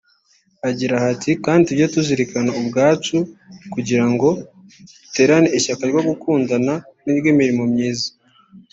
Haragira hati “…kandi tujye tuzirikana ubwacu kugira ngo duterane ishyaka ryo gukundana n’iry’imirimo myiza”